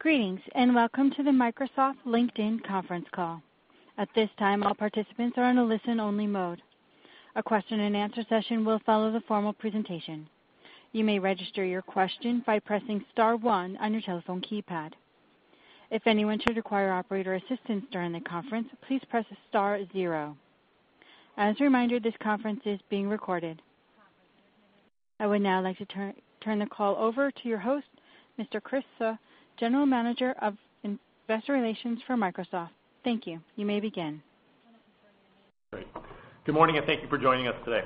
Greetings, welcome to the Microsoft-LinkedIn conference call. At this time, all participants are in a listen-only mode. A question and answer session will follow the formal presentation. You may register your question by pressing star one on your telephone keypad. If anyone should require operator assistance during the conference, please press star zero. As a reminder, this conference is being recorded. I would now like to turn the call over to your host, Mr. Chris Suh, General Manager of Investor Relations for Microsoft. Thank you. You may begin. Great. Good morning, thank you for joining us today.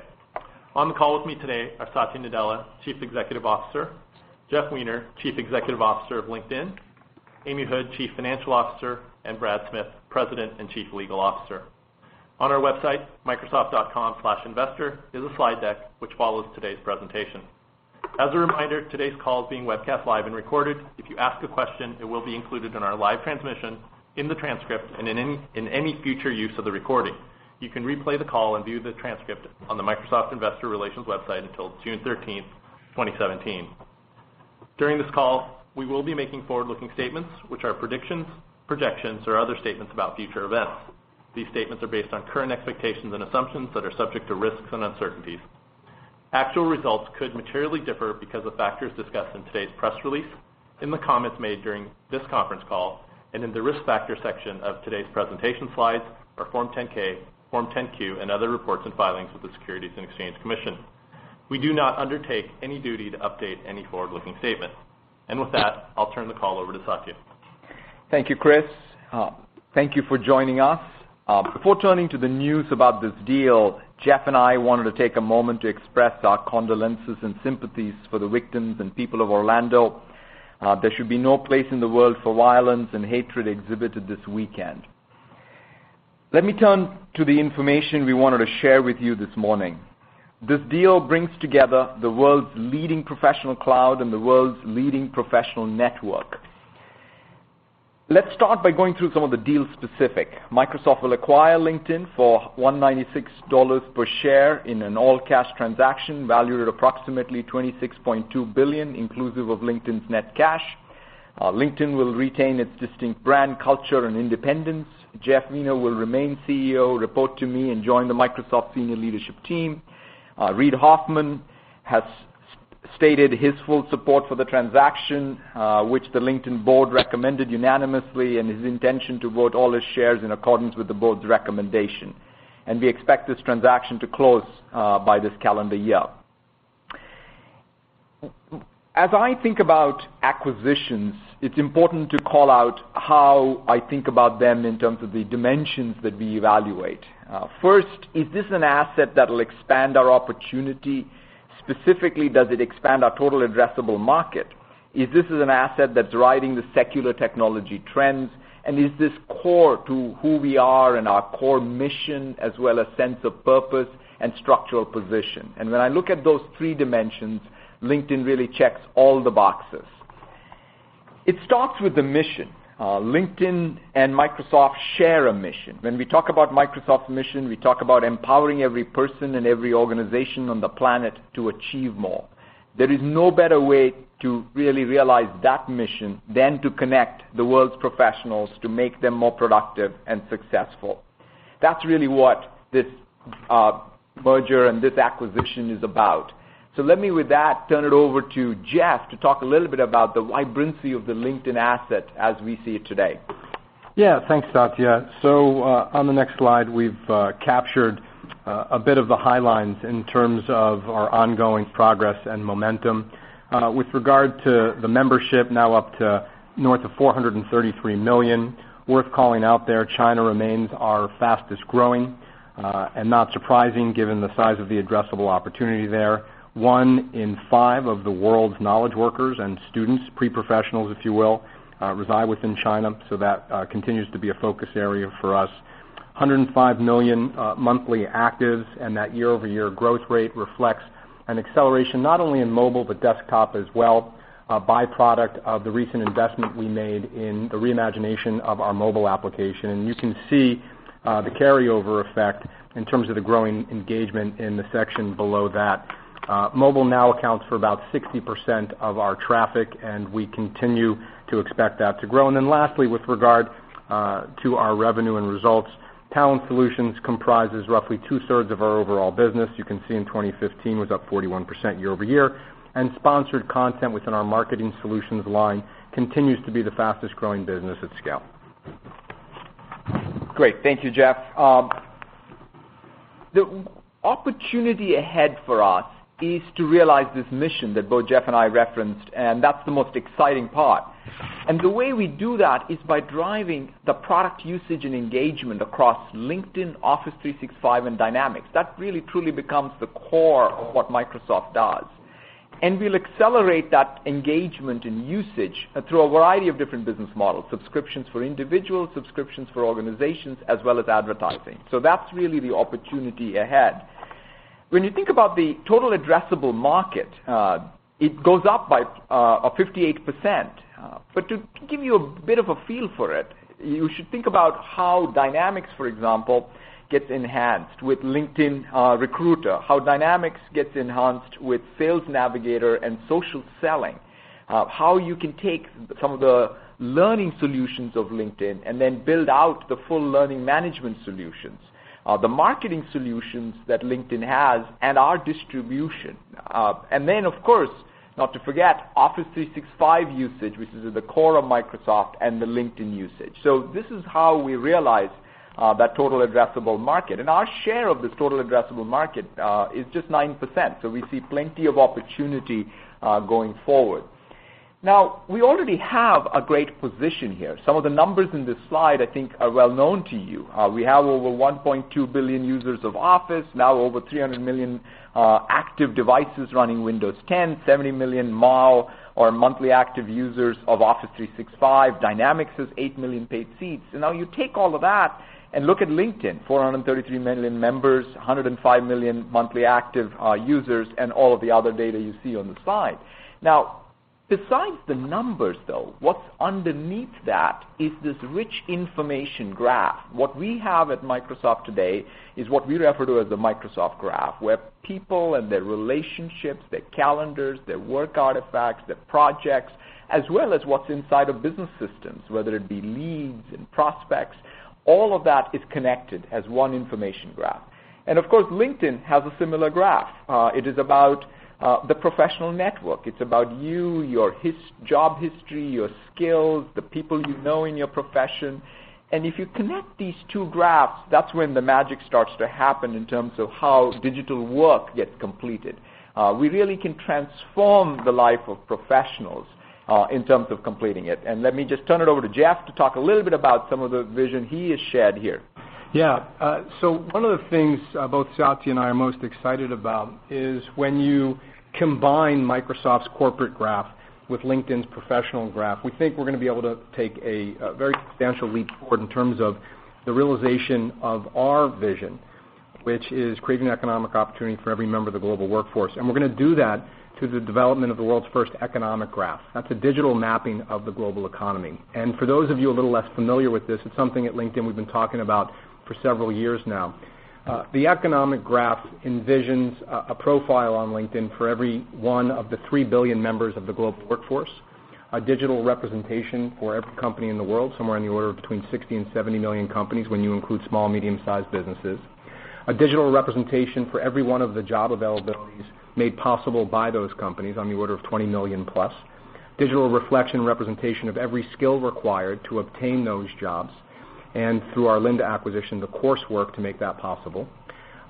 On the call with me today are Satya Nadella, Chief Executive Officer, Jeff Weiner, Chief Executive Officer of LinkedIn, Amy Hood, Chief Financial Officer, and Brad Smith, President and Chief Legal Officer. On our website, microsoft.com/investor, is a slide deck which follows today's presentation. As a reminder, today's call is being webcast live and recorded. If you ask a question, it will be included in our live transmission, in the transcript, and in any future use of the recording. You can replay the call and view the transcript on the Microsoft Investor Relations website until June 13th, 2017. During this call, we will be making forward-looking statements, which are predictions, projections, or other statements about future events. These statements are based on current expectations and assumptions that are subject to risks and uncertainties. Actual results could materially differ because of factors discussed in today's press release, in the comments made during this conference call, and in the Risk Factors section of today's presentation slides, our Form 10-K, Form 10-Q, and other reports and filings with the Securities and Exchange Commission. We do not undertake any duty to update any forward-looking statement. With that, I'll turn the call over to Satya. Thank you, Chris. Thank you for joining us. Before turning to the news about this deal, Jeff and I wanted to take a moment to express our condolences and sympathies for the victims and people of Orlando. There should be no place in the world for violence and hatred exhibited this weekend. Let me turn to the information we wanted to share with you this morning. This deal brings together the world's leading professional cloud and the world's leading professional network. Let's start by going through some of the deal specifics. Microsoft will acquire LinkedIn for $196 per share in an all-cash transaction valued at approximately $26.2 billion, inclusive of LinkedIn's net cash. LinkedIn will retain its distinct brand, culture, and independence. Jeff Weiner will remain CEO, report to me, and join the Microsoft Senior Leadership Team. Reid Hoffman has stated his full support for the transaction, which the LinkedIn board recommended unanimously, and his intention to vote all his shares in accordance with the board's recommendation. We expect this transaction to close by this calendar year. As I think about acquisitions, it's important to call out how I think about them in terms of the dimensions that we evaluate. First, is this an asset that'll expand our opportunity? Specifically, does it expand our total addressable market? Is this an asset that's driving the secular technology trends? Is this core to who we are and our core mission, as well as sense of purpose and structural position? When I look at those three dimensions, LinkedIn really checks all the boxes. It starts with the mission. LinkedIn and Microsoft share a mission. Yeah. Thanks, Satya. Let me, with that, turn it over to Jeff to talk a little bit about the vibrancy of the LinkedIn asset as we see it today. On the next slide, we've captured a bit of the highlights in terms of our ongoing progress and momentum. With regard to the membership, now up to north of 433 million. Worth calling out there, China remains our fastest growing and not surprising given the size of the addressable opportunity there. One in five of the world's knowledge workers and students, pre-professionals if you will, reside within China, so that continues to be a focus area for us. 105 million monthly actives, and that year-over-year growth rate reflects an acceleration, not only in mobile, but desktop as well, a byproduct of the recent investment we made in the reimagination of our mobile application. You can see the carryover effect in terms of the growing engagement in the section below that. Mobile now accounts for about 60% of our traffic. We continue to expect that to grow. Lastly, with regard to our revenue and results, Talent Solutions comprises roughly two-thirds of our overall business. You can see in 2015 was up 41% year-over-year, and sponsored content within our Marketing Solutions line continues to be the fastest growing business at scale. Great. Thank you, Jeff. The opportunity ahead for us is to realize this mission that both Jeff and I referenced, and that's the most exciting part. The way we do that is by driving the product usage and engagement across LinkedIn, Office 365, and Dynamics. That really truly becomes the core of what Microsoft does. We'll accelerate that engagement and usage through a variety of different business models, subscriptions for individuals, subscriptions for organizations, as well as advertising. That's really the opportunity ahead. When you think about the total addressable market, it goes up by 58%. To give you a bit of a feel for it, you should think about how Dynamics, for example, gets enhanced with LinkedIn Recruiter, how Dynamics gets enhanced with Sales Navigator and social selling. How you can take some of the learning solutions of LinkedIn and then build out the full learning management solutions, the marketing solutions that LinkedIn has, and our distribution. Of course, not to forget Office 365 usage, which is at the core of Microsoft, and the LinkedIn usage. This is how we realize that total addressable market. Our share of this total addressable market is just 9%, so we see plenty of opportunity going forward. We already have a great position here. Some of the numbers in this slide, I think, are well-known to you. We have over 1.2 billion users of Office, now over 300 million active devices running Windows 10, 70 million MAU or monthly active users of Office 365. Dynamics is 8 million paid seats. Now you take all of that and look at LinkedIn, 433 million members, 105 million monthly active users, and all of the other data you see on the slide. Besides the numbers, though, what's underneath that is this rich information graph. What we have at Microsoft today is what we refer to as the Microsoft Graph, where people and their relationships, their calendars, their work artifacts, their projects, as well as what's inside of business systems, whether it be leads and prospects, all of that is connected as one information graph. Of course, LinkedIn has a similar graph. It is about the professional network. It's about you, your job history, your skills, the people you know in your profession. If you connect these two graphs, that's when the magic starts to happen in terms of how digital work gets completed. We really can transform the life of professionals in terms of completing it. Let me just turn it over to Jeff to talk a little bit about some of the vision he has shared here. Yeah. One of the things both Satya and I are most excited about is when you combine Microsoft's corporate graph with LinkedIn's professional graph, we think we're going to be able to take a very substantial leap forward in terms of the realization of our vision, which is creating economic opportunity for every member of the global workforce. We're going to do that through the development of the world's first economic graph. That's a digital mapping of the global economy. For those of you a little less familiar with this, it's something at LinkedIn we've been talking about for several years now. The economic graph envisions a profile on LinkedIn for every one of the 3 billion members of the global workforce, a digital representation for every company in the world, somewhere on the order of between 60 and 70 million companies when you include small, medium-sized businesses. A digital representation for every one of the job availabilities made possible by those companies, on the order of 20 million-plus. Digital representation of every skill required to obtain those jobs, and through our Lynda acquisition, the coursework to make that possible.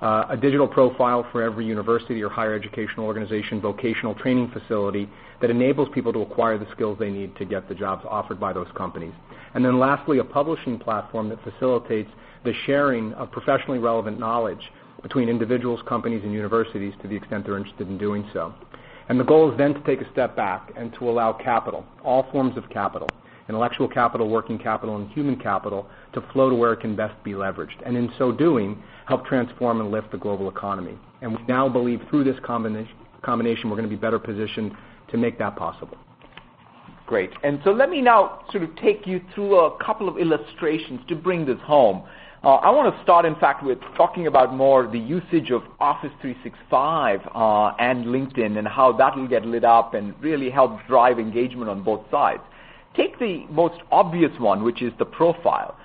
A digital profile for every university or higher educational organization, vocational training facility that enables people to acquire the skills they need to get the jobs offered by those companies. Lastly, a publishing platform that facilitates the sharing of professionally relevant knowledge between individuals, companies, and universities to the extent they're interested in doing so. The goal is then to take a step back and to allow capital, all forms of capital, intellectual capital, working capital, and human capital, to flow to where it can best be leveraged. In so doing, help transform and lift the global economy. We now believe through this combination, we're going to be better positioned to make that possible. Great. Let me now sort of take you through a couple of illustrations to bring this home. I want to start, in fact, with talking about more the usage of Office 365, LinkedIn, and how that'll get lit up and really help drive engagement on both sides. Take the most obvious one, which is the profile.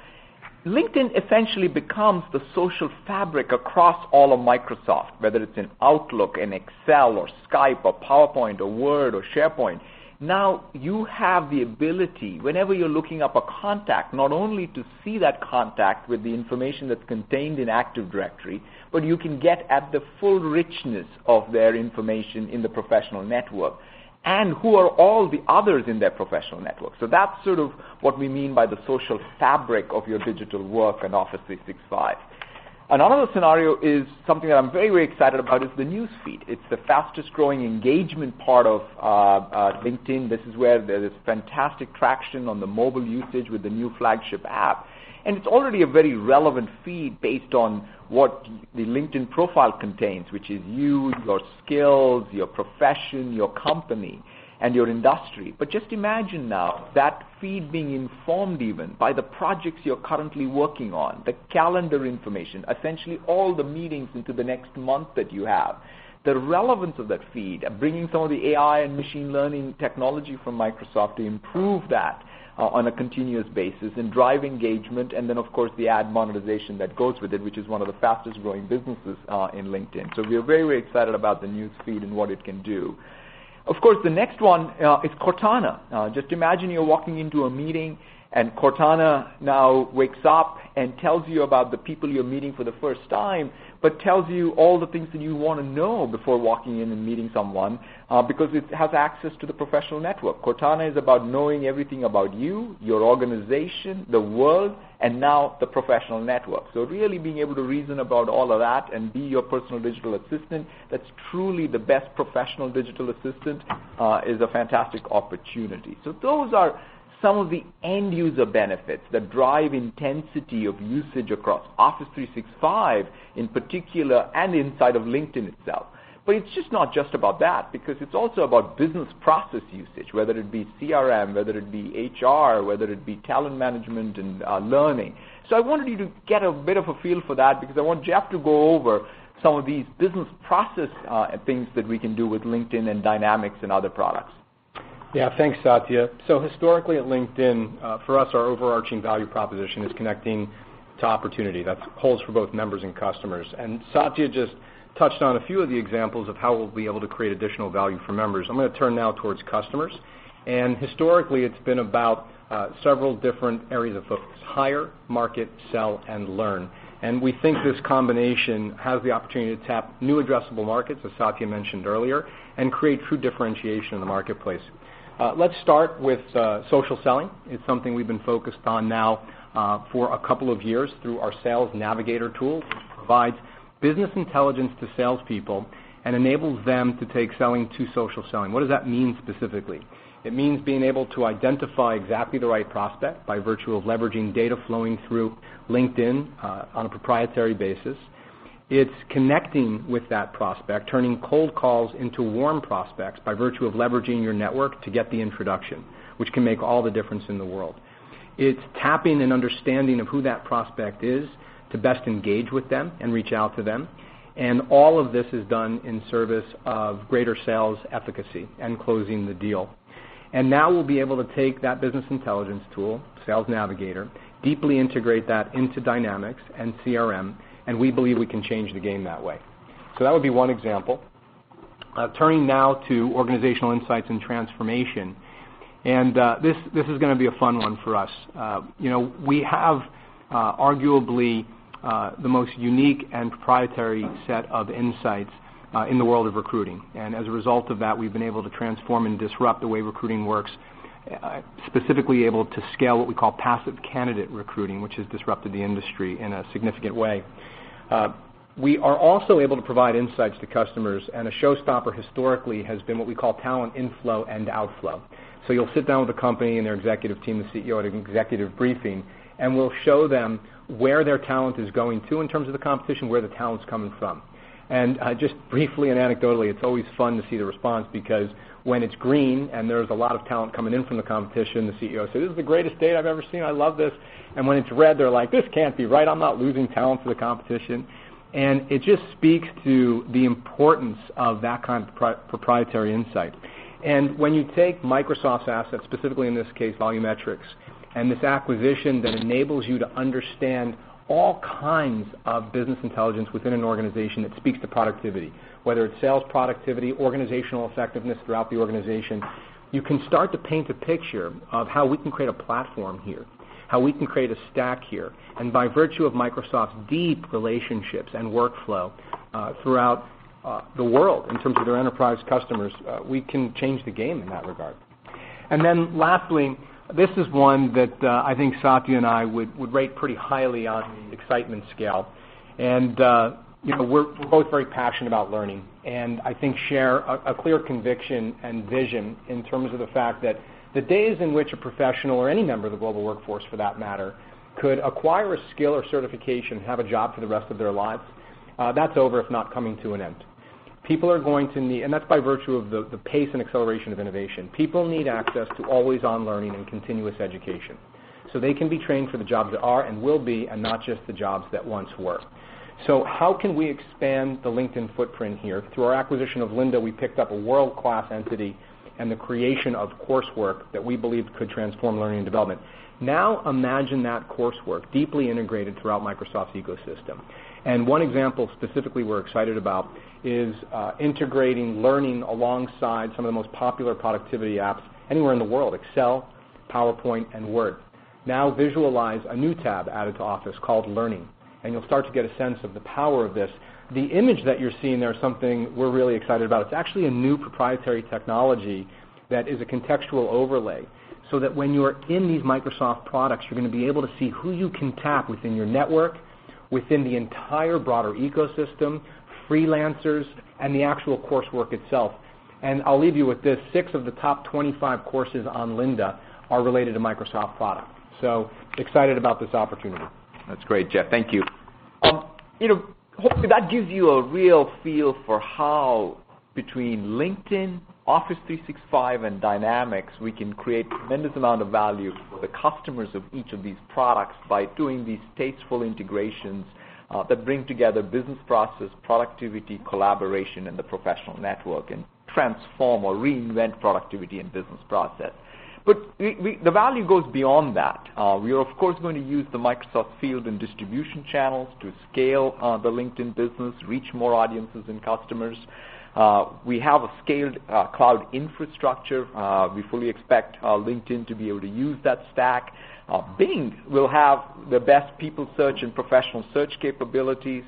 LinkedIn essentially becomes the social fabric across all of Microsoft, whether it's in Outlook, in Excel, or Skype, or PowerPoint, or Word, or SharePoint. Now you have the ability, whenever you're looking up a contact, not only to see that contact with the information that's contained in Active Directory, but you can get at the full richness of their information in the professional network. Who are all the others in their professional network. That's sort of what we mean by the social fabric of your digital work in Office 365. Another scenario is something that I'm very excited about is the news feed. It's the fastest-growing engagement part of LinkedIn. This is where there is fantastic traction on the mobile usage with the new flagship app, and it's already a very relevant feed based on what the LinkedIn profile contains, which is you, your skills, your profession, your company, and your industry. Just imagine now that feed being informed even by the projects you're currently working on, the calendar information, essentially all the meetings into the next month that you have. The relevance of that feed, bringing some of the AI and machine learning technology from Microsoft to improve that on a continuous basis and drive engagement, and then, of course, the ad monetization that goes with it, which is one of the fastest-growing businesses in LinkedIn. We are very excited about the news feed and what it can do. Of course, the next one is Cortana. Just imagine you're walking into a meeting and Cortana now wakes up and tells you about the people you're meeting for the first time, but tells you all the things that you want to know before walking in and meeting someone, because it has access to the professional network. Cortana is about knowing everything about you, your organization, the world, and now the professional network. Really being able to reason about all of that and be your personal digital assistant that's truly the best professional digital assistant is a fantastic opportunity. Those are some of the end-user benefits that drive intensity of usage across Office 365 in particular, and inside of LinkedIn itself. It's just not just about that, because it's also about business process usage, whether it be CRM, whether it be HR, whether it be talent management and learning. I wanted you to get a bit of a feel for that because I want Jeff to go over some of these business process things that we can do with LinkedIn and Dynamics and other products. Yeah. Thanks, Satya. Historically at LinkedIn, for us, our overarching value proposition is connecting to opportunity that holds for both members and customers. Satya just touched on a few of the examples of how we'll be able to create additional value for members. I'm going to turn now towards customers. Historically, it's been about several different areas of focus, hire, market, sell, and learn. We think this combination has the opportunity to tap new addressable markets, as Satya mentioned earlier, and create true differentiation in the marketplace. Let's start with social selling. It's something we've been focused on now for a couple of years through our Sales Navigator tool, which provides business intelligence to salespeople and enables them to take selling to social selling. What does that mean specifically? It means being able to identify exactly the right prospect by virtue of leveraging data flowing through LinkedIn on a proprietary basis. It's connecting with that prospect, turning cold calls into warm prospects by virtue of leveraging your network to get the introduction, which can make all the difference in the world. It's tapping and understanding of who that prospect is to best engage with them and reach out to them. All of this is done in service of greater sales efficacy and closing the deal. Now we'll be able to take that business intelligence tool, LinkedIn Sales Navigator, deeply integrate that into Microsoft Dynamics 365 and CRM, we believe we can change the game that way. That would be one example. Turning now to organizational insights and transformation. This is going to be a fun one for us. We have arguably the most unique and proprietary set of insights in the world of recruiting. As a result of that, we've been able to transform and disrupt the way recruiting works, specifically able to scale what we call passive candidate recruiting, which has disrupted the industry in a significant way. We are also able to provide insights to customers, and a showstopper historically has been what we call talent inflow and outflow. You'll sit down with a company and their executive team, the CEO at an executive briefing, and we'll show them where their talent is going to in terms of the competition, where the talent's coming from. Just briefly and anecdotally, it's always fun to see the response because when it's green and there's a lot of talent coming in from the competition, the CEO says, "This is the greatest data I've ever seen. I love this." When it's red, they're like, "This can't be right. I'm not losing talent to the competition." It just speaks to the importance of that kind of proprietary insight. When you take Microsoft's assets, specifically in this case, VoloMetrix, this acquisition that enables you to understand all kinds of business intelligence within an organization that speaks to productivity, whether it's sales productivity, organizational effectiveness throughout the organization, you can start to paint a picture of how we can create a platform here, how we can create a stack here. By virtue of Microsoft's deep relationships and workflow throughout the world in terms of their enterprise customers, we can change the game in that regard. Lastly, this is one that I think Satya and I would rate pretty highly on the excitement scale. We're both very passionate about learning, and I think share a clear conviction and vision in terms of the fact that the days in which a professional or any member of the global workforce, for that matter, could acquire a skill or certification, have a job for the rest of their lives, that's over, if not coming to an end. People are going to need. That's by virtue of the pace and acceleration of innovation. People need access to always-on learning and continuous education so they can be trained for the jobs that are and will be, and not just the jobs that once were. How can we expand the LinkedIn footprint here? Through our acquisition of Lynda, we picked up a world-class entity and the creation of coursework that we believe could transform learning and development. Now imagine that coursework deeply integrated throughout Microsoft's ecosystem. One example specifically we're excited about is integrating learning alongside some of the most popular productivity apps anywhere in the world, Excel, PowerPoint, and Word. Visualize a new tab added to Office called Learning, and you'll start to get a sense of the power of this. The image that you're seeing there is something we're really excited about. It's actually a new proprietary technology that is a contextual overlay so that when you're in these Microsoft products, you're going to be able to see who you can tap within your network, within the entire broader ecosystem, freelancers, and the actual coursework itself. I'll leave you with this. Six of the top 25 courses on Lynda are related to Microsoft products. Excited about this opportunity. That's great, Jeff. Thank you. Hopefully, that gives you a real feel for how between LinkedIn, Office 365, and Dynamics, we can create tremendous amount of value for the customers of each of these products by doing these tasteful integrations that bring together business process, productivity, collaboration in the professional network and transform or reinvent productivity and business process. The value goes beyond that. We are, of course, going to use the Microsoft field and distribution channels to scale the LinkedIn business, reach more audiences and customers. We have a scaled cloud infrastructure. We fully expect LinkedIn to be able to use that stack. Bing will have the best people search and professional search capabilities.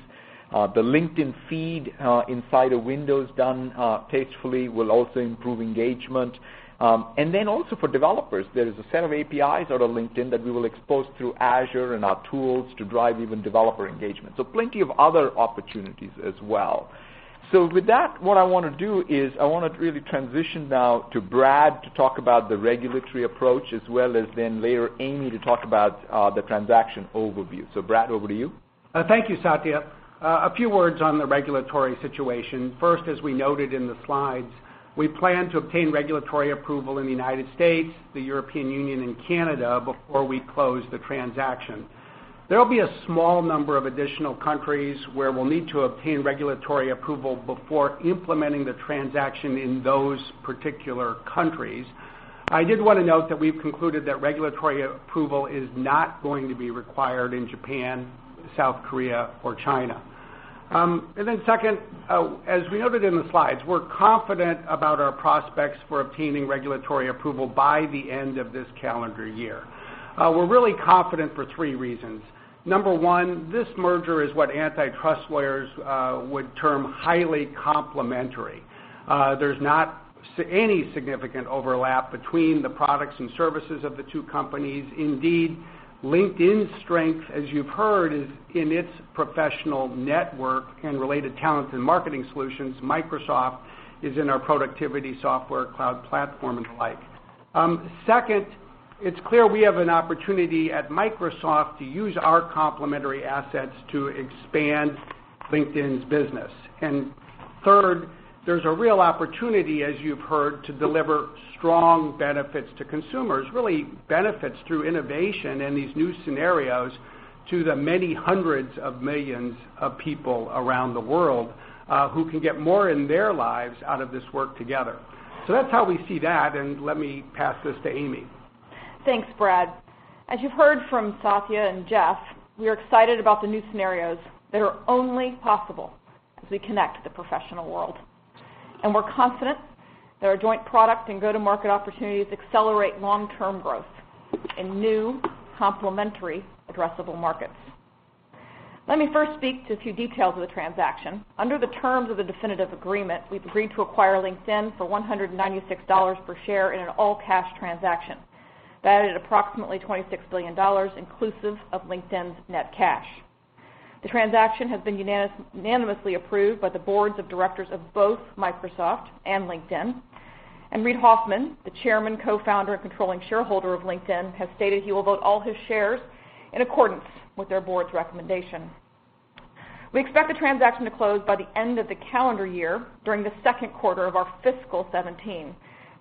The LinkedIn feed inside of Windows done tastefully will also improve engagement. Then also for developers, there is a set of APIs out of LinkedIn that we will expose through Azure and our tools to drive even developer engagement. Plenty of other opportunities as well. With that, what I want to do is I want to really transition now to Brad to talk about the regulatory approach as well as then later Amy to talk about the transaction overview. Brad, over to you. Thank you, Satya. A few words on the regulatory situation. First, as we noted in the slides, we plan to obtain regulatory approval in the United States, the European Union, and Canada before we close the transaction. There will be a small number of additional countries where we will need to obtain regulatory approval before implementing the transaction in those particular countries. I did want to note that we have concluded that regulatory approval is not going to be required in Japan, South Korea, or China. Second, as we noted in the slides, we are confident about our prospects for obtaining regulatory approval by the end of this calendar year. We are really confident for three reasons. Number one, this merger is what antitrust lawyers would term highly complementary. There is not any significant overlap between the products and services of the two companies. Indeed, LinkedIn's strength, as you have heard, is in its professional network and related talent and marketing solutions. Microsoft is in our productivity software cloud platform and the like. Second, it is clear we have an opportunity at Microsoft to use our complementary assets to expand LinkedIn's business. Third, there is a real opportunity, as you have heard, to deliver strong benefits to consumers, really benefits through innovation in these new scenarios to the many hundreds of millions of people around the world who can get more in their lives out of this work together. That is how we see that, and let me pass this to Amy. Thanks, Brad. As you have heard from Satya and Jeff, we are excited about the new scenarios that are only possible as we connect the professional world. We are confident that our joint product and go-to-market opportunities accelerate long-term growth in new complementary addressable markets. Let me first speak to a few details of the transaction. Under the terms of the definitive agreement, we have agreed to acquire LinkedIn for $196 per share in an all-cash transaction. That is approximately $26 billion, inclusive of LinkedIn's net cash. The transaction has been unanimously approved by the boards of directors of both Microsoft and LinkedIn, and Reid Hoffman, the chairman, co-founder, and controlling shareholder of LinkedIn, has stated he will vote all his shares in accordance with their board's recommendation. We expect the transaction to close by the end of the calendar year during the second quarter of our fiscal 2017,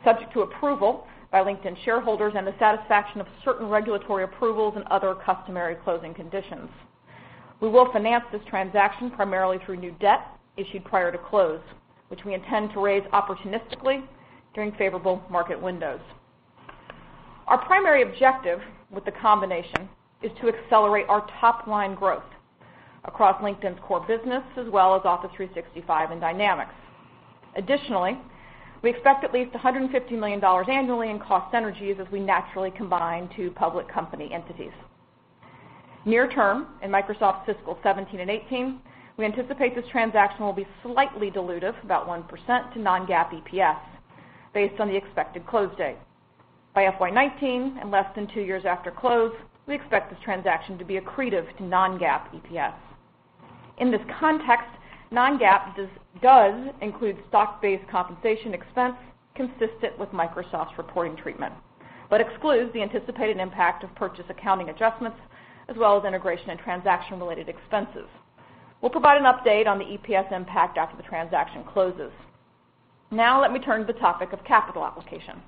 subject to approval by LinkedIn shareholders and the satisfaction of certain regulatory approvals and other customary closing conditions. We will finance this transaction primarily through new debt issued prior to close, which we intend to raise opportunistically during favorable market windows. Our primary objective with the combination is to accelerate our top-line growth across LinkedIn's core business as well as Office 365 and Dynamics. Additionally, we expect at least $150 million annually in cost synergies as we naturally combine two public company entities. Near term, in Microsoft's fiscal 2017 and 2018, we anticipate this transaction will be slightly dilutive, about 1%, to non-GAAP EPS based on the expected close date. By FY 2019 and less than two years after close, we expect this transaction to be accretive to non-GAAP EPS. In this context, non-GAAP does include stock-based compensation expense consistent with Microsoft's reporting treatment but excludes the anticipated impact of purchase accounting adjustments as well as integration and transaction-related expenses. We will provide an update on the EPS impact after the transaction closes. Let me turn to the topic of capital application.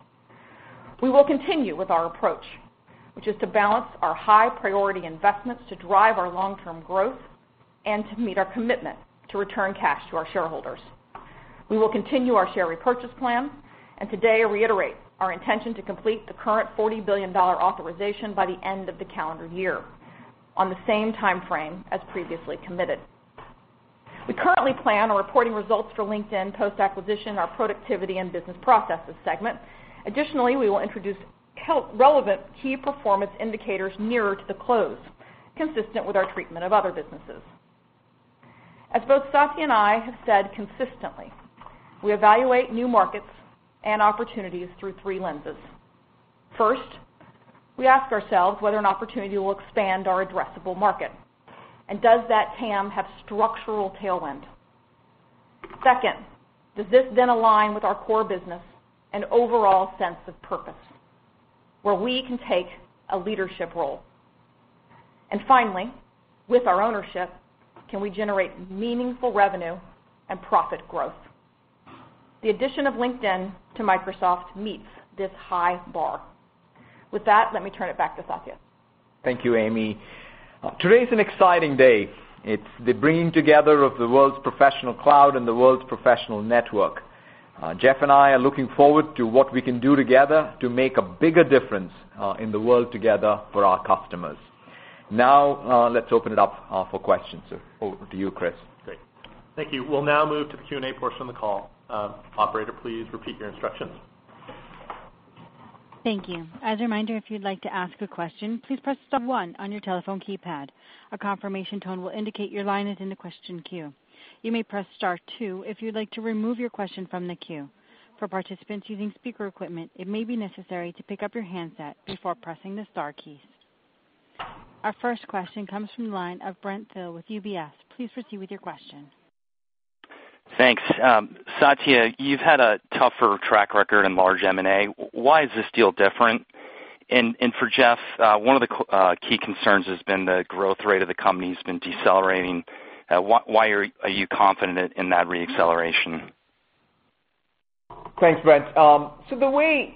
We will continue with our approach, which is to balance our high-priority investments to drive our long-term growth and to meet our commitment to return cash to our shareholders. We will continue our share repurchase plan and today reiterate our intention to complete the current $40 billion authorization by the end of the calendar year on the same timeframe as previously committed. We currently plan on reporting results for LinkedIn post-acquisition in our Productivity and Business Processes segment. Additionally, we will introduce relevant key performance indicators nearer to the close, consistent with our treatment of other businesses. As both Satya and I have said consistently, we evaluate new markets and opportunities through three lenses. First, we ask ourselves whether an opportunity will expand our addressable market, and does that TAM have structural tailwind? Second, does this then align with our core business and overall sense of purpose, where we can take a leadership role? Finally, with our ownership, can we generate meaningful revenue and profit growth? The addition of LinkedIn to Microsoft meets this high bar. With that, let me turn it back to Satya. Thank you, Amy. Today's an exciting day. It's the bringing together of the world's professional cloud and the world's professional network. Jeff and I are looking forward to what we can do together to make a bigger difference in the world together for our customers. Let's open it up for questions. Over to you, Chris. Great. Thank you. We'll now move to the Q&A portion of the call. Operator, please repeat your instructions. Thank you. As a reminder, if you'd like to ask a question, please press star one on your telephone keypad. A confirmation tone will indicate your line is in the question queue. You may press star two if you'd like to remove your question from the queue. For participants using speaker equipment, it may be necessary to pick up your handset before pressing the star keys. Our first question comes from the line of Brent Thill with UBS. Please proceed with your question. Thanks. Satya, you've had a tougher track record in large M&A. Why is this deal different? For Jeff, one of the key concerns has been the growth rate of the company's been decelerating. Why are you confident in that re-acceleration? Thanks, Brent. The way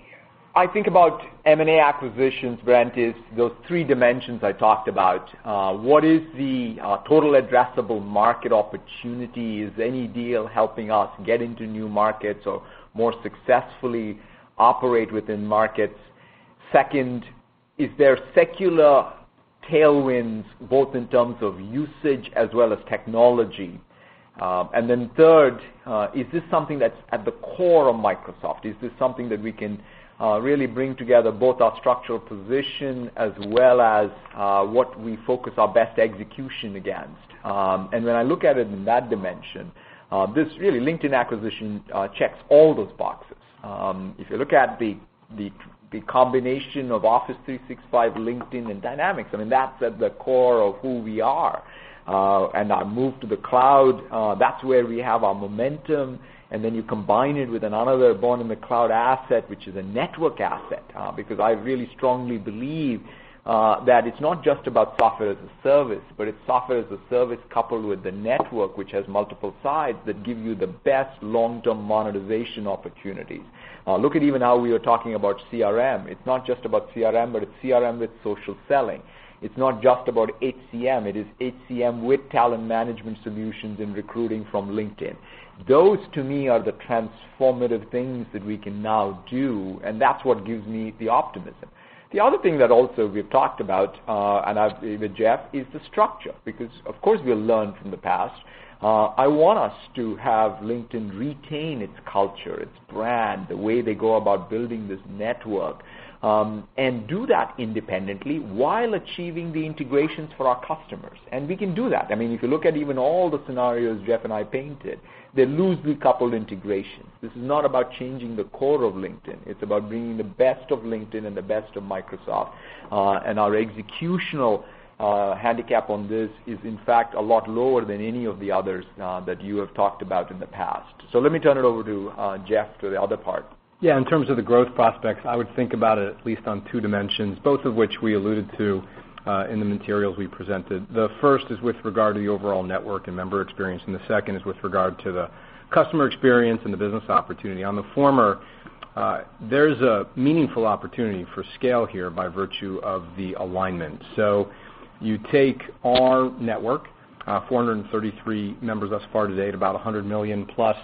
I think about M&A acquisitions, Brent, is those three dimensions I talked about. What is the total addressable market opportunity? Is any deal helping us get into new markets or more successfully operate within markets? Second, is there secular tailwinds both in terms of usage as well as technology? Third, is this something that's at the core of Microsoft? Is this something that we can really bring together both our structural position as well as what we focus our best execution against? When I look at it in that dimension, this LinkedIn acquisition checks all those boxes. If you look at the combination of Office 365, LinkedIn, and Dynamics, I mean, that's at the core of who we are. Our move to the cloud, that's where we have our momentum, and then you combine it with another born-in-the-cloud asset, which is a network asset. Because I really strongly believe that it's not just about software as a service, but it's software as a service coupled with the network, which has multiple sides that give you the best long-term monetization opportunities. Look at even how we are talking about CRM. It's not just about CRM, but it's CRM with social selling. It's not just about HCM, it is HCM with talent management solutions and recruiting from LinkedIn. Those, to me, are the transformative things that we can now do, and that's what gives me the optimism. The other thing that also we've talked about with Jeff is the structure, because of course, we learned from the past. I want us to have LinkedIn retain its culture, its brand, the way they go about building this network, and do that independently while achieving the integrations for our customers. We can do that. I mean, if you look at even all the scenarios Jeff and I painted, they're loosely coupled integrations. This is not about changing the core of LinkedIn. It's about bringing the best of LinkedIn and the best of Microsoft. Our executional handicap on this is, in fact, a lot lower than any of the others that you have talked about in the past. Let me turn it over to Jeff, to the other part. In terms of the growth prospects, I would think about it at least on two dimensions, both of which we alluded to in the materials we presented. The first is with regard to the overall network and member experience, and the second is with regard to the customer experience and the business opportunity. On the former, there's a meaningful opportunity for scale here by virtue of the alignment. You take our network, 433 members thus far to date, about 100 million-plus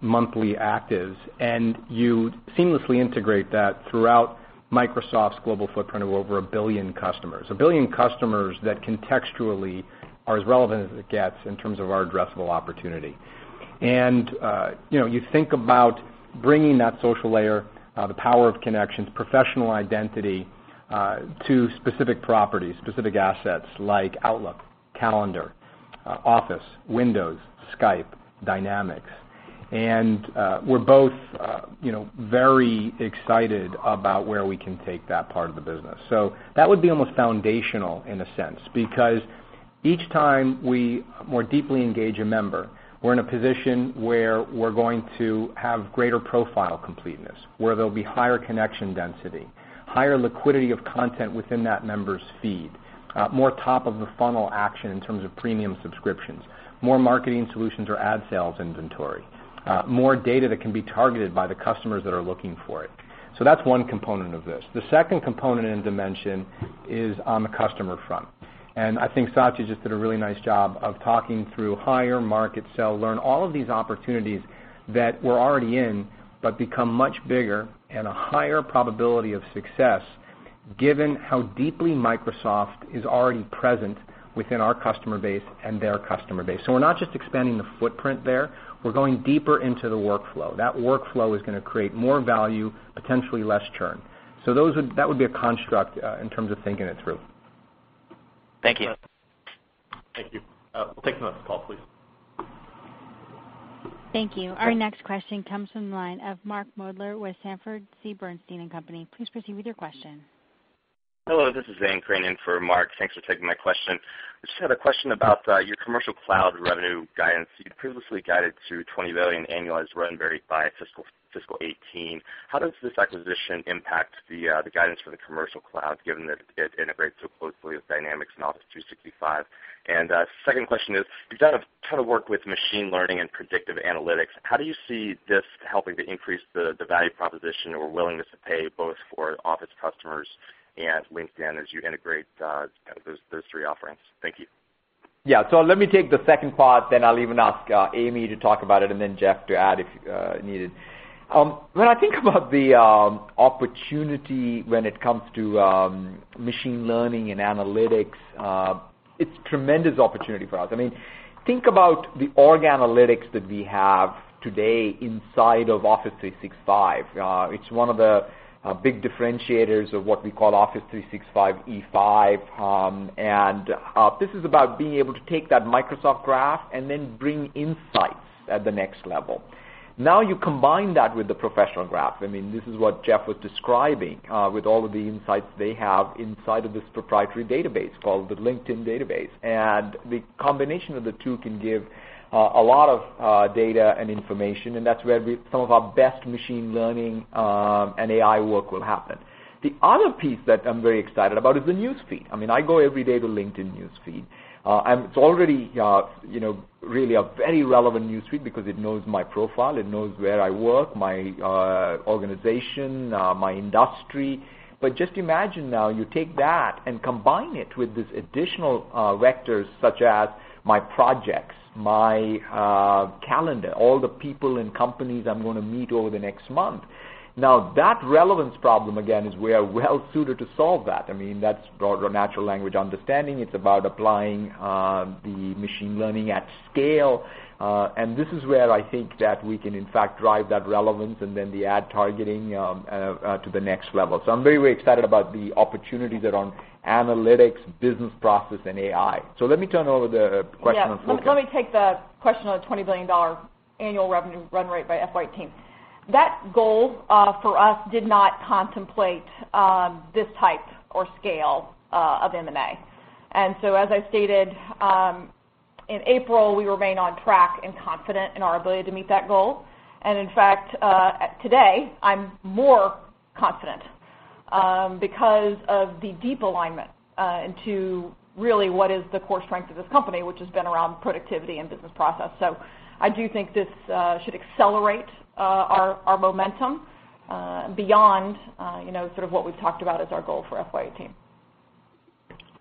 monthly actives, and you seamlessly integrate that throughout Microsoft's global footprint of over 1 billion customers. A billion customers that contextually are as relevant as it gets in terms of our addressable opportunity. You think about bringing that social layer, the power of connections, professional identity to specific properties, specific assets like Outlook, Calendar, Office, Windows, Skype, Dynamics. We're both very excited about where we can take that part of the business. That would be almost foundational in a sense. Because each time we more deeply engage a member, we're in a position where we're going to have greater profile completeness, where there'll be higher connection density, higher liquidity of content within that member's feed, more top of the funnel action in terms of premium subscriptions, more marketing solutions or ad sales inventory, more data that can be targeted by the customers that are looking for it. That's one component of this. The second component and dimension is on the customer front, and I think Satya just did a really nice job of talking through hire, market, sell, learn, all of these opportunities that we're already in but become much bigger and a higher probability of success given how deeply Microsoft is already present within our customer base and their customer base. We're not just expanding the footprint there. We're going deeper into the workflow. That workflow is going to create more value, potentially less churn. That would be a construct in terms of thinking it through. Thank you. Thank you. We'll take the next call, please. Thank you. Our next question comes from the line of Mark Moerdler with Sanford C. Bernstein & Company. Please proceed with your question. Hello, this is Zane Crane in for Mark. Thanks for taking my question. I just had a question about your commercial cloud revenue guidance. You previously guided to $20 billion annualized run rate by fiscal 2018. How does this acquisition impact the guidance for the commercial cloud, given that it integrates so closely with Dynamics and Office 365? Second question is, you've done a ton of work with machine learning and predictive analytics. How do you see this helping to increase the value proposition or willingness to pay both for Office customers and LinkedIn as you integrate those three offerings? Thank you. Let me take the second part, then I'll even ask Amy to talk about it, and then Jeff to add if needed. When I think about the opportunity when it comes to machine learning and analytics, it's tremendous opportunity for us. Think about the org analytics that we have today inside of Office 365. It's one of the big differentiators of what we call Office 365 E5. This is about being able to take that Microsoft Graph and then bring insights at the next level. Now you combine that with the professional graph. This is what Jeff was describing with all of the insights they have inside of this proprietary database called the LinkedIn database. The combination of the two can give a lot of data and information, and that's where some of our best machine learning and AI work will happen. The other piece that I'm very excited about is the newsfeed. I go every day to LinkedIn newsfeed. It's already really a very relevant newsfeed because it knows my profile, it knows where I work, my organization, my industry. Just imagine now you take that and combine it with these additional vectors such as my projects, my calendar, all the people and companies I'm going to meet over the next month. That relevance problem, again, is where we're well-suited to solve that. That's broader natural language understanding. It's about applying the machine learning at scale. This is where I think that we can in fact drive that relevance and then the ad targeting to the next level. I'm very excited about the opportunities around analytics, business process, and AI. Let me turn over the question on focus. Yeah. Let me take the question on the $20 billion annual revenue run rate by FY team. That goal for us did not contemplate this type or scale of M&A. As I stated in April, we remain on track and confident in our ability to meet that goal. In fact, today, I'm more confident because of the deep alignment into really what is the core strength of this company, which has been around productivity and business process. I do think this should accelerate our momentum beyond what we've talked about as our goal for FY team.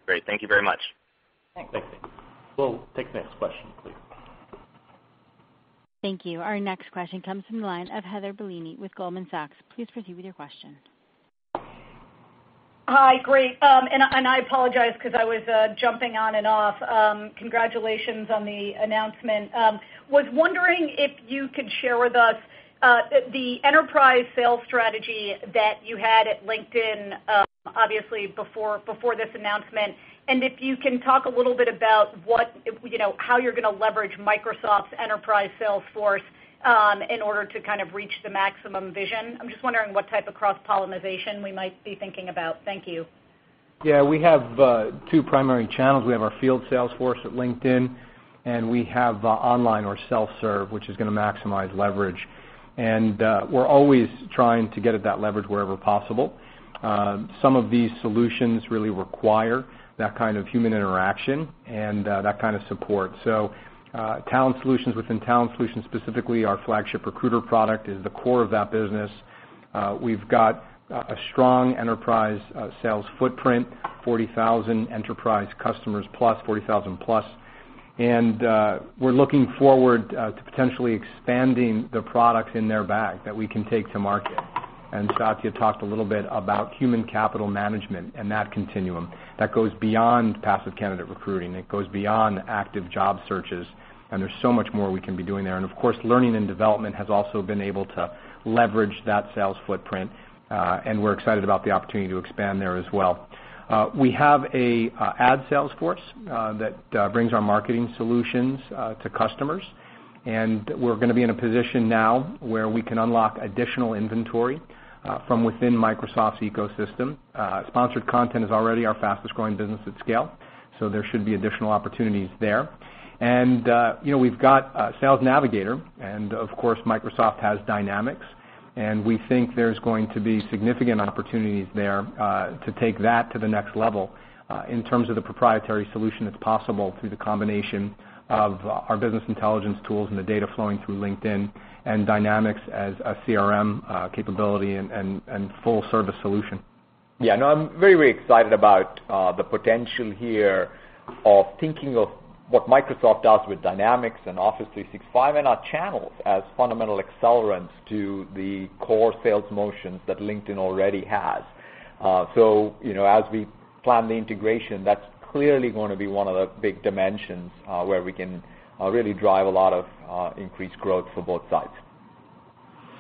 Great. Thank you very much. Thanks. Thank you. We'll take the next question, please. Thank you. Our next question comes from the line of Heather Bellini with Goldman Sachs. Please proceed with your question. Hi. Great. I apologize because I was jumping on and off. Congratulations on the announcement. Was wondering if you could share with us the enterprise sales strategy that you had at LinkedIn, obviously before this announcement. If you can talk a little bit about how you're going to leverage Microsoft's enterprise sales force in order to kind of reach the maximum vision. I'm just wondering what type of cross-pollination we might be thinking about. Thank you. Yeah. We have two primary channels. We have our field sales force at LinkedIn, and we have online or self-serve, which is going to maximize leverage. We're always trying to get at that leverage wherever possible. Some of these solutions really require that kind of human interaction and that kind of support. Talent Solutions, within Talent Solutions specifically, our flagship Recruiter product is the core of that business. We've got a strong enterprise sales footprint, 40,000 enterprise customers plus, 40,000 plus. We're looking forward to potentially expanding the products in their bag that we can take to market. Satya talked a little bit about human capital management and that continuum that goes beyond passive candidate recruiting, it goes beyond active job searches, and there's so much more we can be doing there. Of course, learning and development has also been able to leverage that sales footprint, and we're excited about the opportunity to expand there as well. We have an ad sales force that brings our Marketing Solutions to customers, and we're going to be in a position now where we can unlock additional inventory from within Microsoft's ecosystem. Sponsored content is already our fastest-growing business at scale, there should be additional opportunities there. We've got Sales Navigator, of course, Microsoft has Dynamics, and we think there's going to be significant opportunities there to take that to the next level in terms of the proprietary solution that's possible through the combination of our business intelligence tools and the data flowing through LinkedIn and Dynamics as a CRM capability and full-service solution. Yeah, no, I'm very excited about the potential here of thinking of what Microsoft does with Dynamics and Office 365 and our channels as fundamental accelerants to the core sales motions that LinkedIn already has. As we plan the integration, that's clearly going to be one of the big dimensions where we can really drive a lot of increased growth for both sides.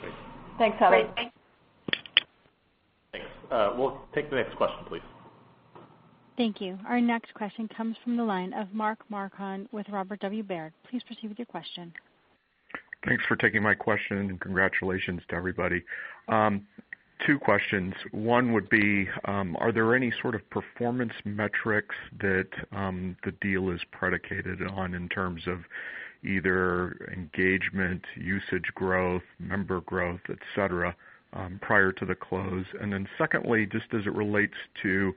Great. Thanks, Heather. Great. Thanks. We'll take the next question, please. Thank you. Our next question comes from the line of Mark Marcon with Robert W. Baird. Please proceed with your question. Thanks for taking my question. Congratulations to everybody. Two questions. One would be, are there any sort of performance metrics that the deal is predicated on in terms of either engagement, usage growth, member growth, et cetera, prior to the close? Secondly, just as it relates to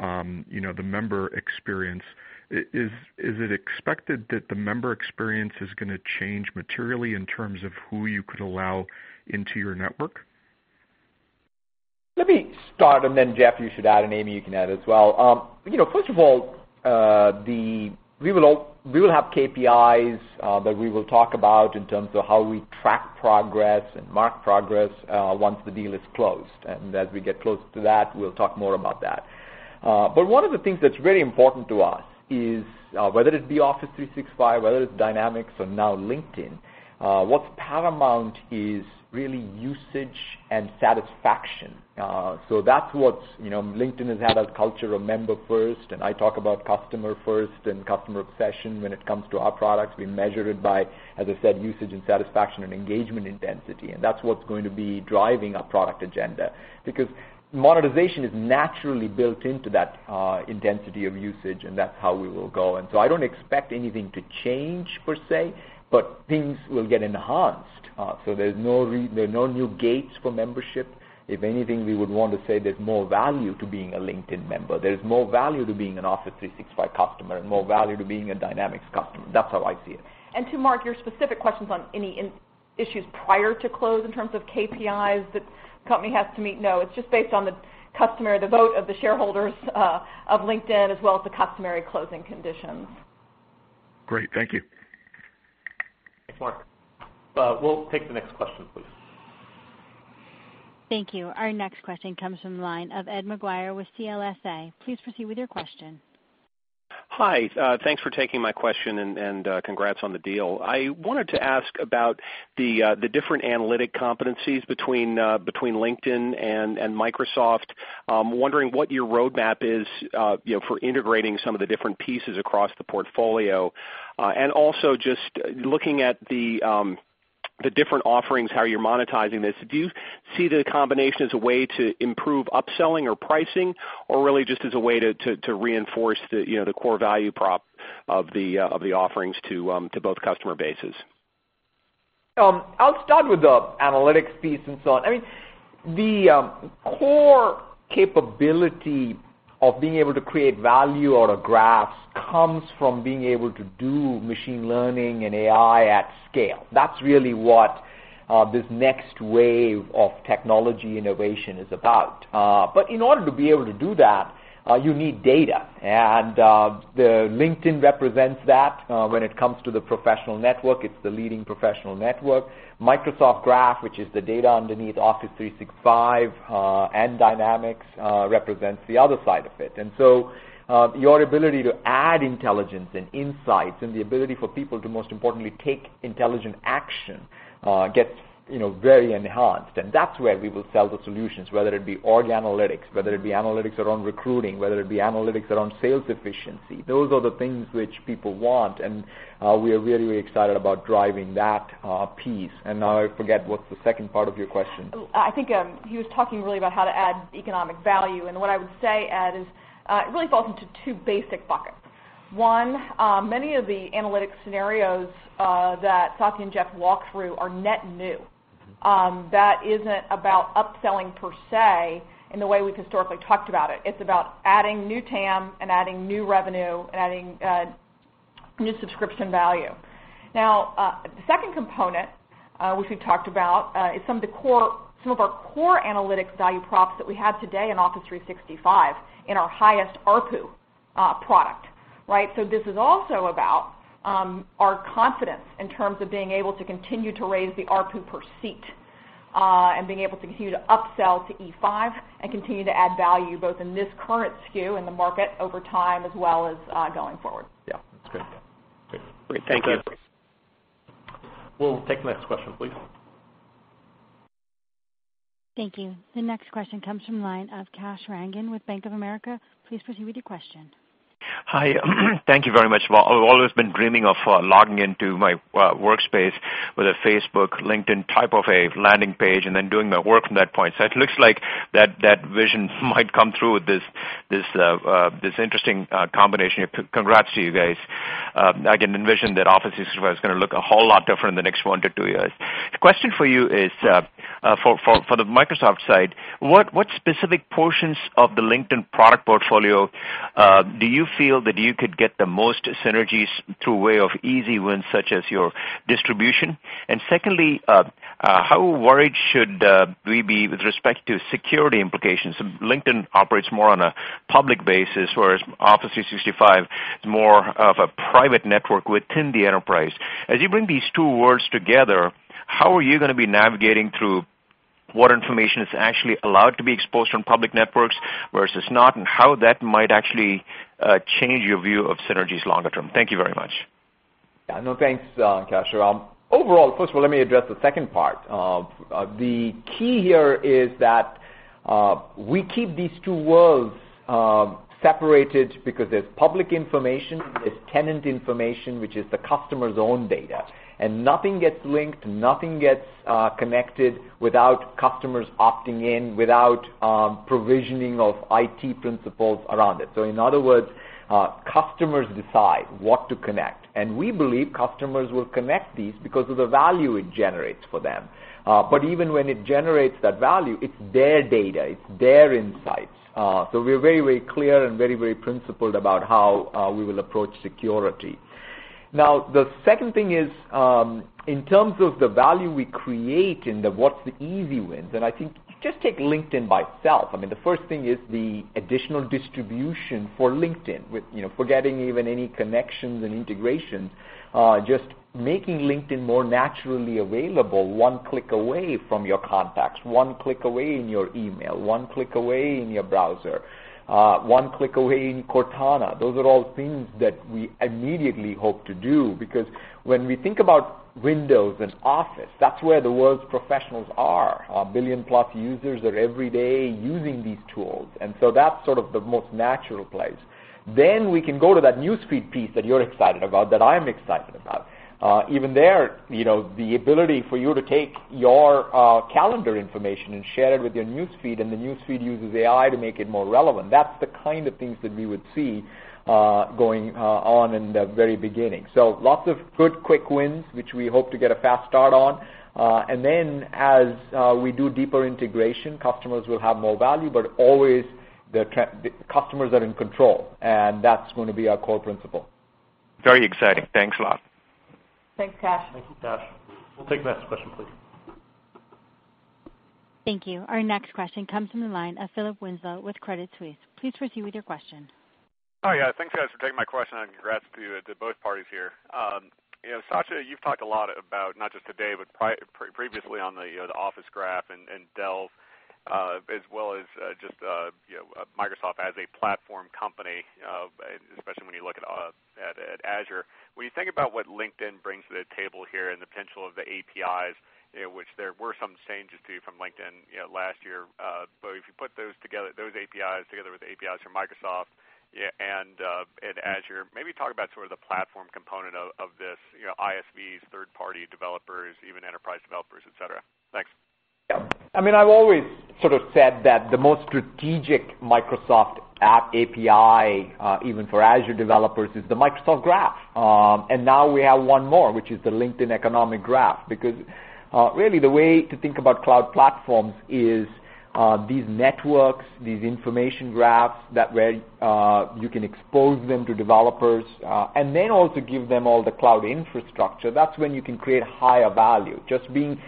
the member experience, is it expected that the member experience is going to change materially in terms of who you could allow into your network? Let me start. Then Jeff, you should add, Amy, you can add as well. First of all, we will have KPIs that we will talk about in terms of how we track progress and mark progress once the deal is closed. As we get close to that, we'll talk more about that. One of the things that's very important to us is, whether it be Office 365, whether it's Dynamics or now LinkedIn. What's paramount is really usage and satisfaction. That's what LinkedIn has had as culture, a member first. I talk about customer first and customer obsession when it comes to our products. We measure it by, as I said, usage and satisfaction and engagement intensity, and that's what's going to be driving our product agenda. Monetization is naturally built into that intensity of usage, and that's how we will go. I don't expect anything to change per se, but things will get enhanced. There's no new gates for membership. If anything, we would want to say there's more value to being a LinkedIn member. There's more value to being an Office 365 customer and more value to being a Dynamics customer. That's how I see it. To Mark, your specific questions on any issues prior to close in terms of KPIs that the company has to meet, no, it's just based on the customary vote of the shareholders of LinkedIn as well as the customary closing conditions. Great. Thank you. Thanks, Mark. We'll take the next question, please. Thank you. Our next question comes from the line of Edward Maguire with CLSA. Please proceed with your question. Hi. Thanks for taking my question. Congrats on the deal. I wanted to ask about the different analytic competencies between LinkedIn and Microsoft. I'm wondering what your roadmap is for integrating some of the different pieces across the portfolio. Also just looking at the different offerings, how you're monetizing this, do you see the combination as a way to improve upselling or pricing, or really just as a way to reinforce the core value prop of the offerings to both customer bases? I'll start with the analytics piece and so on. The core capability of being able to create value out of graphs comes from being able to do machine learning and AI at scale. That's really what this next wave of technology innovation is about. In order to be able to do that, you need data. LinkedIn represents that when it comes to the professional network, it's the leading professional network. Microsoft Graph, which is the data underneath Office 365 and Dynamics, represents the other side of it. Your ability to add intelligence and insights and the ability for people to, most importantly, take intelligent action gets very enhanced, and that's where we will sell the solutions, whether it be org analytics, whether it be analytics around recruiting, whether it be analytics around sales efficiency. Those are the things which people want. We are very excited about driving that piece. Now I forget what's the second part of your question. I think he was talking really about how to add economic value, and what I would say, Ed, is it really falls into two basic buckets. One, many of the analytics scenarios that Satya and Jeff walked through are net new. That isn't about upselling per se in the way we've historically talked about it. It's about adding new TAM and adding new revenue and adding new subscription value. The second component which we've talked about is some of our core analytics value props that we have today in Office 365 in our highest ARPU product. This is also about our confidence in terms of being able to continue to raise the ARPU per seat, and being able to continue to upsell to E5 and continue to add value both in this current SKU in the market over time as well as going forward. Yeah, that's great. Great. Thank you. We'll take the next question, please. Thank you. The next question comes from the line of Kash Rangan with Bank of America. Please proceed with your question. Hi. Thank you very much. I've always been dreaming of logging into my workspace with a Facebook, LinkedIn type of a landing page and then doing the work from that point. It looks like that vision might come through with this interesting combination. Congrats to you guys. I can envision that Office 365 is going to look a whole lot different in the next one to two years. The question for you is, for the Microsoft side, what specific portions of the LinkedIn product portfolio do you feel that you could get the most synergies through way of easy wins, such as your distribution? Secondly, how worried should we be with respect to security implications? LinkedIn operates more on a public basis, whereas Office 365 is more of a private network within the enterprise. As you bring these two worlds together, how are you going to be navigating through what information is actually allowed to be exposed on public networks versus not, and how that might actually change your view of synergies longer term? Thank you very much. Thanks, Kash. Overall, first of all, let me address the second part. The key here is that we keep these two worlds separated because there's public information, there's tenant information, which is the customer's own data, and nothing gets linked, nothing gets connected without customers opting in, without provisioning of IT principles around it. In other words, customers decide what to connect. We believe customers will connect these because of the value it generates for them. Even when it generates that value, it's their data, it's their insights. We are very clear and very principled about how we will approach security. The second thing is, in terms of the value we create and what's the easy wins, and I think just take LinkedIn by itself. The first thing is the additional distribution for LinkedIn, forgetting even any connections and integrations, just making LinkedIn more naturally available one click away from your contacts, one click away in your email, one click away in your browser, one click away in Cortana. Those are all things that we immediately hope to do because when we think about Windows and Office, that's where the world's professionals are. A billion plus users are every day using these tools, that's sort of the most natural place. We can go to that news feed piece that you're excited about, that I'm excited about. Even there, the ability for you to take your calendar information and share it with your news feed, and the news feed uses AI to make it more relevant, that's the kind of things that we would see going on in the very beginning. Lots of good quick wins, which we hope to get a fast start on. Then as we do deeper integration, customers will have more value, but always the customers are in control, and that's going to be our core principle. Very exciting. Thanks a lot. Thanks, Kash. Thank you, Kash. We'll take the next question, please. Thank you. Our next question comes from the line of Philip Winslow with Credit Suisse. Please proceed with your question. Hi. Yeah. Thanks, guys, for taking my question, and congrats to both parties here. Satya, you've talked a lot about, not just today, but previously on the Office Graph and Delve, as well as just Microsoft as a platform company, especially when you look at Azure. When you think about what LinkedIn brings to the table here and the potential of the APIs, which there were some changes too from LinkedIn last year, but if you put those APIs together with APIs from Microsoft and Azure, maybe talk about sort of the platform component of this, ISVs, third-party developers, even enterprise developers, et cetera. Thanks. Yeah. I've always sort of said that the most strategic Microsoft app API, even for Azure developers, is the Microsoft Graph. Now we have one more, which is the LinkedIn economic graph, because really the way to think about cloud platforms is these networks, these information graphs that where you can expose them to developers, and then also give them all the cloud infrastructure, that's when you can create higher value. Just being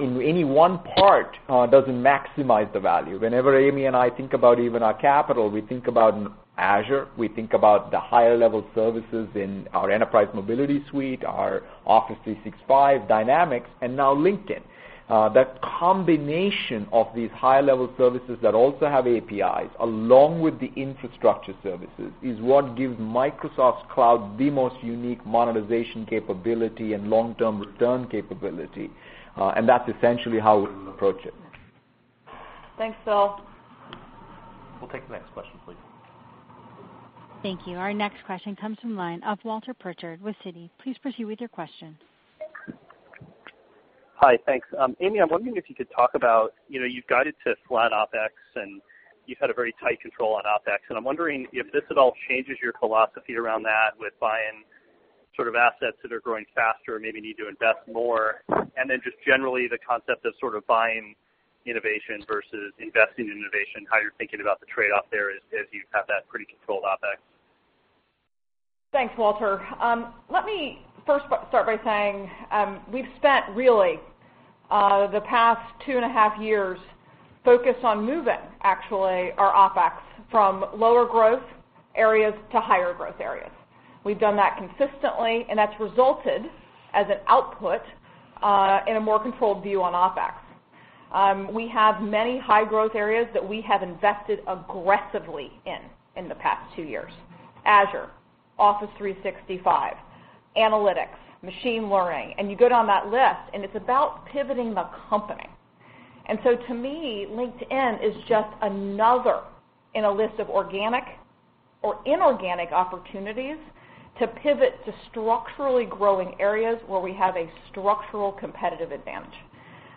in any one part doesn't maximize the value. Whenever Amy and I think about even our capital, we think about Azure, we think about the higher-level services in our Enterprise Mobility + Security, our Office 365, Dynamics, and now LinkedIn. That combination of these high-level services that also have APIs along with the infrastructure services is what gives Microsoft's cloud the most unique monetization capability and long-term return capability. That's essentially how we approach it. Thanks, Phil. We'll take the next question, please. Thank you. Our next question comes from line of Walter Pritchard with Citi. Please proceed with your question. Hi, thanks. Amy, I'm wondering if you could talk about, you've guided to flat OpEx and you've had a very tight control on OpEx. I'm wondering if this at all changes your philosophy around that with buying sort of assets that are growing faster and maybe need to invest more. Then just generally the concept of sort of buying innovation versus investing in innovation, how you're thinking about the trade-off there as you have that pretty controlled OpEx. Thanks, Walter. Let me first start by saying, we've spent really the past two and a half years focused on moving actually our OpEx from lower growth areas to higher growth areas. We've done that consistently, and that's resulted as an output in a more controlled view on OpEx. We have many high growth areas that we have invested aggressively in in the past two years, Azure, Office 365, analytics, machine learning. You go down that list, it's about pivoting the company. To me, LinkedIn is just another in a list of organic or inorganic opportunities to pivot to structurally growing areas where we have a structural competitive advantage.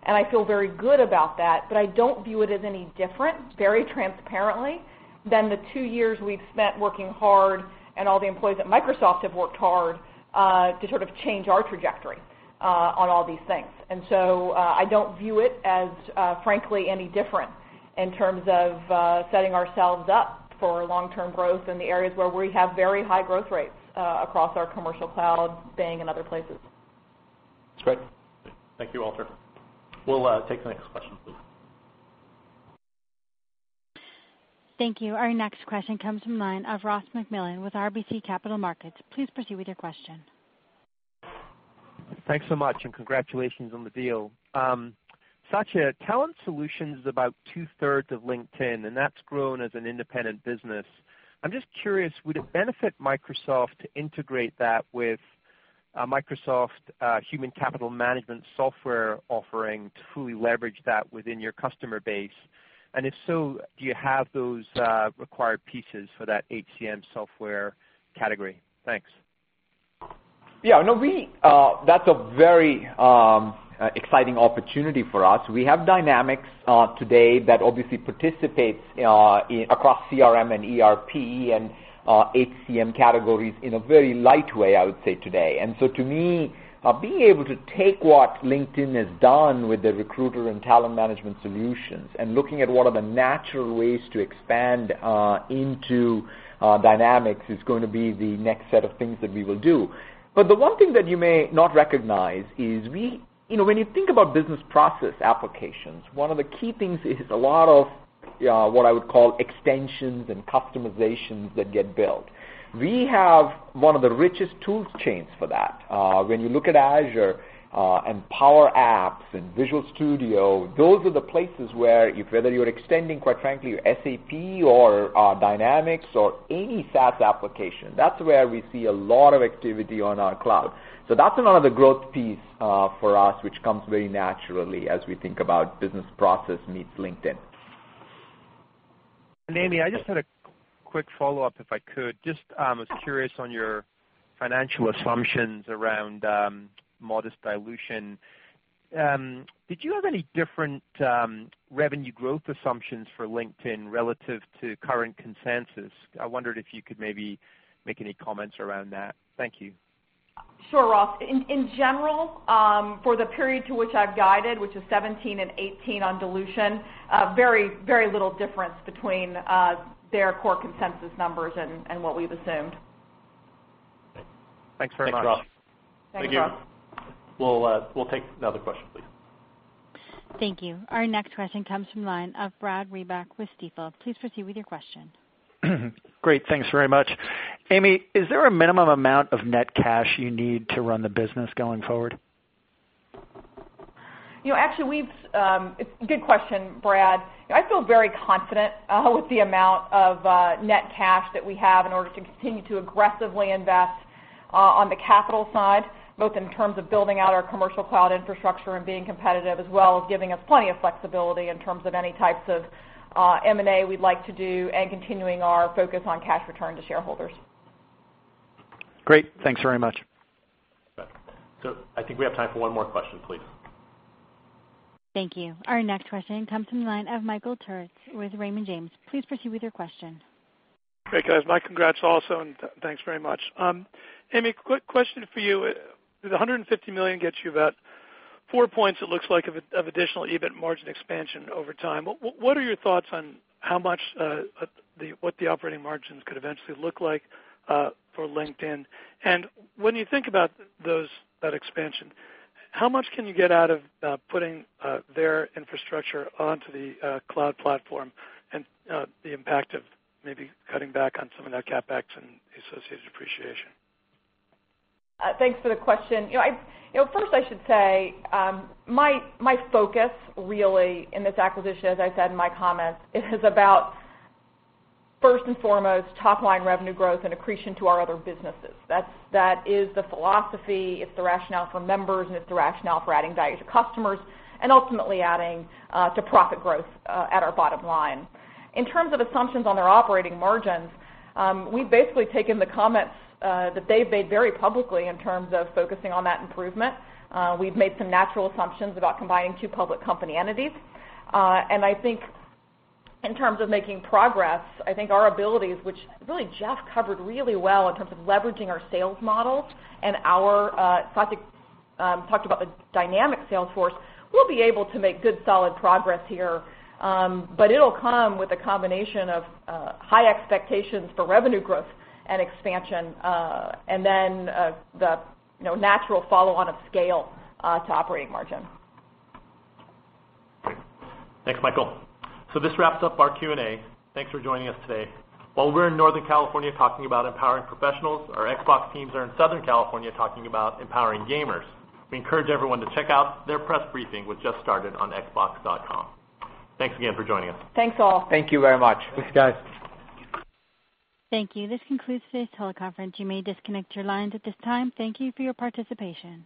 I feel very good about that, I don't view it as any different, very transparently, than the 2 years we've spent working hard and all the employees at Microsoft have worked hard to sort of change our trajectory on all these things. I don't view it as frankly any different in terms of setting ourselves up for long-term growth in the areas where we have very high growth rates across our commercial cloud, Bing, and other places. That's great. Thank you, Walter. We'll take the next question, please. Thank you. Our next question comes from line of Ross MacMillan with RBC Capital Markets. Please proceed with your question. Thanks so much, and congratulations on the deal. Satya, Talent Solutions is about two-thirds of LinkedIn, and that's grown as an independent business. I'm just curious, would it benefit Microsoft to integrate that with Microsoft Human Capital Management software offering to fully leverage that within your customer base? If so, do you have those required pieces for that HCM software category? Thanks. Yeah. That's a very exciting opportunity for us. We have Dynamics today that obviously participates across CRM and ERP and HCM categories in a very light way, I would say today. To me, being able to take what LinkedIn has done with the recruiter and talent management solutions and looking at what are the natural ways to expand into Dynamics is going to be the next set of things that we will do. The one thing that you may not recognize is when you think about business process applications, one of the key things is a lot of what I would call extensions and customizations that get built. We have one of the richest tools chains for that. When you look at Azure and Power Apps and Visual Studio, those are the places where whether you're extending, quite frankly, SAP or Dynamics or any SaaS application, that's where we see a lot of activity on our cloud. That's another growth piece for us, which comes very naturally as we think about business process meets LinkedIn. Amy, I just had a quick follow-up if I could. I was curious on your financial assumptions around modest dilution. Did you have any different revenue growth assumptions for LinkedIn relative to current consensus? I wondered if you could maybe make any comments around that. Thank you. Sure, Ross. In general, for the period to which I've guided, which is 2017 and 2018 on dilution, very little difference between their core consensus numbers and what we've assumed. Thanks very much. Thanks, Ross. Thanks, Ross. Thank you. We'll take another question, please. Thank you. Our next question comes from the line of Brad Reback with Stifel. Please proceed with your question. Great. Thanks very much. Amy, is there a minimum amount of net cash you need to run the business going forward? Good question, Brad. I feel very confident with the amount of net cash that we have in order to continue to aggressively invest on the capital side, both in terms of building out our commercial cloud infrastructure and being competitive, as well as giving us plenty of flexibility in terms of any types of M&A we'd like to do, and continuing our focus on cash return to shareholders. Great. Thanks very much. I think we have time for one more question, please. Thank you. Our next question comes from the line of Michael Turits with Raymond James. Please proceed with your question. Great, guys. My congrats also, and thanks very much. Amy, quick question for you. The $150 million gets you about four points, it looks like, of additional EBIT margin expansion over time. What are your thoughts on what the operating margins could eventually look like for LinkedIn? When you think about that expansion, how much can you get out of putting their infrastructure onto the cloud platform and the impact of maybe cutting back on some of that CapEx and the associated depreciation? Thanks for the question. First I should say, my focus really in this acquisition, as I said in my comments, is about first and foremost top-line revenue growth and accretion to our other businesses. That is the philosophy. It's the rationale for members, and it's the rationale for adding value to customers and ultimately adding to profit growth at our bottom line. In terms of assumptions on their operating margins, we've basically taken the comments that they've made very publicly in terms of focusing on that improvement. We've made some natural assumptions about combining two public company entities. I think in terms of making progress, I think our abilities, which really Jeff covered really well in terms of leveraging our sales models and Satya talked about the Dynamics sales force, we'll be able to make good, solid progress here. It'll come with a combination of high expectations for revenue growth and expansion, and then the natural follow-on of scale to operating margin. Great. Thanks, Michael. This wraps up our Q&A. Thanks for joining us today. While we're in Northern California talking about empowering professionals, our Xbox teams are in Southern California talking about empowering gamers. We encourage everyone to check out their press briefing, which just started on xbox.com. Thanks again for joining us. Thanks, all. Thank you very much. Thanks, guys. Thank you. This concludes today's teleconference. You may disconnect your lines at this time. Thank you for your participation.